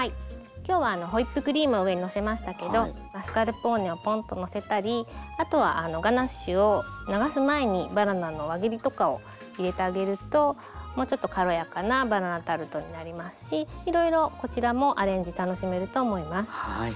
今日はホイップクリームを上にのせましたけどマスカルポーネをポンッとのせたりあとはガナッシュを流す前にバナナの輪切りとかを入れてあげるともうちょっと軽やかなバナナタルトになりますしいろいろこちらもアレンジ楽しめると思います。